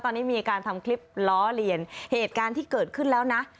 ตอนนี้มีการทำคลิปล้อเลียนเหตุการณ์ที่เกิดขึ้นแล้วนะ